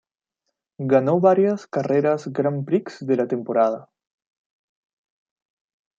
Ganó varias carreras Grand prix de la temporada.